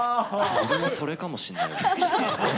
俺もそれかもしれない。